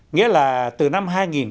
nghĩa là từ năm hai nghìn một mươi sáu